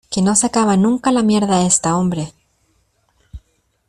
que no se acaba nunca la mierda esta, hombre.